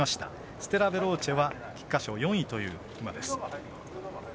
ステラヴェローチェは菊花賞４位という馬です。